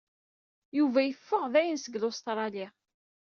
Yuba yeffeɣ dayen seg Lustṛali.